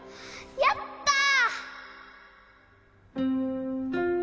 やったー！